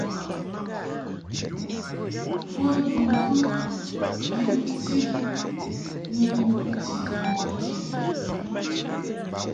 Bonbɨŋkɨ yuʼti ni duʼti bimɔʼ kě.